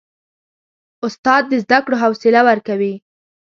استاد د زده کړو حوصله ورکوي.